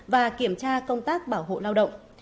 và kiểm tra công tác bảo hộ lao động